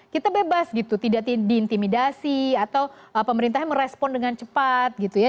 kita bebas gitu tidak diintimidasi atau pemerintahnya merespon dengan cepat gitu ya